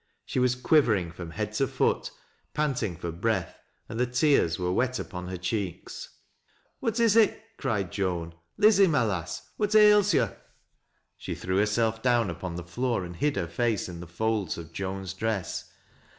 She was quivering from head to foot, panting for breath, and the tears were wet upon hfcr cheeks. " What is it ?" cried Joan. " Lizzie, my lass, what ails 70'?" She threw herself down upon the floor and hid her face ID the folds of Joan's dress.